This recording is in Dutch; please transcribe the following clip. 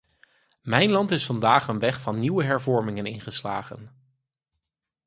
Mijn land is vandaag een weg van nieuwe hervormingen ingeslagen.